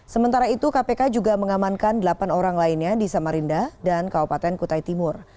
sementara itu kpk juga mengamankan delapan orang lainnya di samarinda dan kabupaten kutai timur